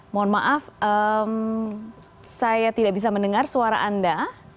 mohon maaf saya tidak bisa mendengar suara anda